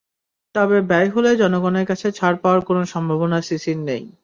তবে ব্যর্থ হলে জনগণের কাছে ছাড় পাওয়ার কোনো সম্ভাবনা সিসির নেই।